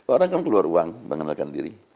orang kan keluar uang mengenalkan diri